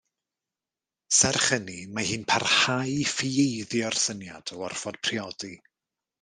Serch hynny, mae hi'n parhau i ffieiddio'r syniad o orfod priodi.